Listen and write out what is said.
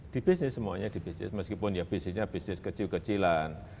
di bisnis semuanya meskipun bisnisnya bisnis kecil kecilan